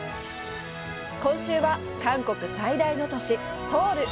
今週は韓国最大の都市・ソウル！